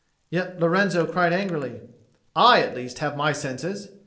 But Lorenzo cried angrily, "I at least have my senses!"